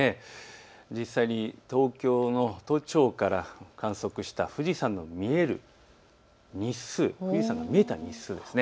実際に東京の都庁から観測した富士山の見える日数、富士山が見えた日数ですね。